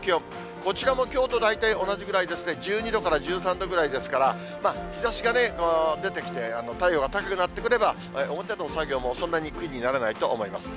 こちらもきょうと大体同じくらいですね、１２度から１３度くらいですから、まあ、日ざしが出てきて、太陽が高くなってくれば、表での作業もそんなに苦にならないと思います。